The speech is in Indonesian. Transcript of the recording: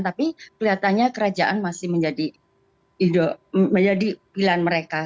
tapi kelihatannya kerajaan masih menjadi pilihan mereka